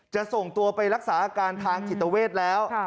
จะส่งตัวไปรักษาอาการทางจิตเวทแล้ว